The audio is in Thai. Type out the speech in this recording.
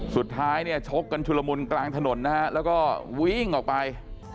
สุดท้ายเนี่ยชกกันชุลมุนกลางถนนนะฮะแล้วก็วิ่งออกไป